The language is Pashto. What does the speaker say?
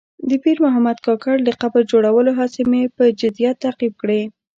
د پیر محمد کاکړ د قبر جوړولو هڅې مې په جدیت تعقیب کړې.